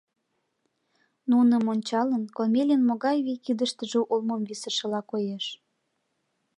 Нуным ончалын, Комелин могай вий кидыштыже улмым висышыла коеш.